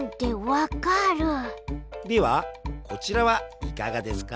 ではこちらはいかがですか？